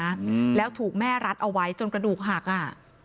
อืมแล้วถูกแม่รัดเอาไว้จนกระดูกหักอ่ะ